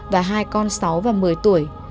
và hai con sáu và một mươi tuổi